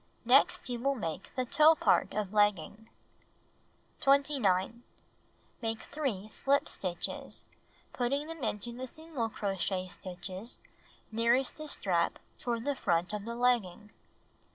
Next you will make the toe part of legging. 21. Make 3 slip stitches, putting them into the single crochet stitches nearest the strap toward the front of the legging.